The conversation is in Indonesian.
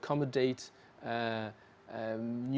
kita harus menggabungkan